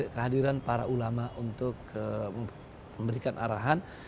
kehadiran para ulama untuk memberikan arahan